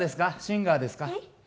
シンガーですか？